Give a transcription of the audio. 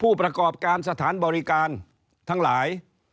กรอบการสถานบริการทั้งหลาย